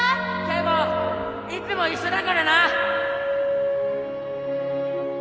圭吾いつも一緒だからな！